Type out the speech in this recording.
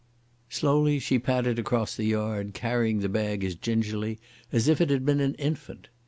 Slowly she padded across the yard, carrying the bag as gingerly as if it had been an infant.